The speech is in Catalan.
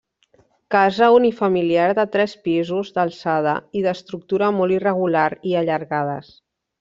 Casa unifamiliar de tres pisos d'alçada i d'estructura molt irregular i allargades.